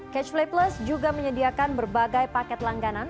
catch play plus juga menyediakan berbagai paket langganan